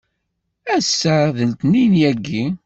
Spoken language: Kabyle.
Ass-a d letniyen yagi.